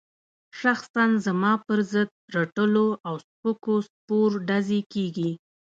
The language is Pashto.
شخصاً زما پر ضد رټلو او سپکو سپور ډزې کېږي.